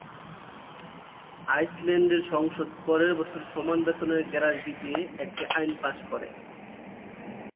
আইসল্যান্ডের সংসদ পরের বছর সমান বেতনের গ্যারান্টি দিয়ে একটি আইন পাস করে।